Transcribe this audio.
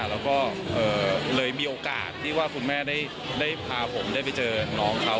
แล้วก็เลยมีโอกาสที่ว่าคุณแม่ได้พาผมได้ไปเจอน้องเขา